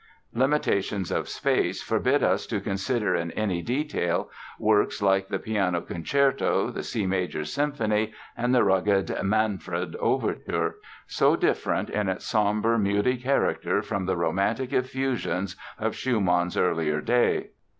Limitations of space forbid us to consider in any detail works like the Piano Concerto, the C major Symphony and the rugged "Manfred" Overture—so different in its sombre, moody character from the romantic effusions of Schumann's earlier day.